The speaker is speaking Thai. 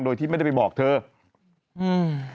โดยที่ไม่ได้ไปบอกเธออืม